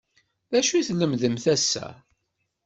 D acu i lemdent ass-a?